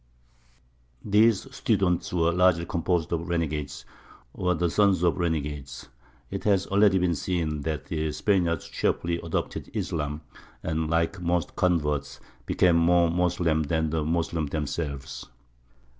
These students were largely composed of renegades, or the sons of renegades. It has already been seen that the Spaniards cheerfully adopted Islam, and, like most converts, became more Moslem than the Moslems themselves.